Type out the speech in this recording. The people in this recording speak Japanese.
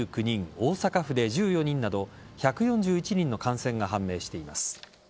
大阪府で１４人など１４１人の感染が判明しています。